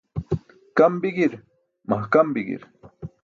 Kam bi̇gi̇i̇r, mahkam bi̇gi̇i̇r.